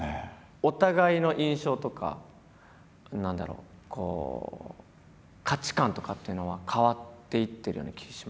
お互いの印象とか何だろう価値観とかっていうのは変わっていってるような気します？